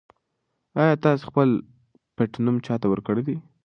ایا تاسي خپل پټنوم چا ته ورکړی دی؟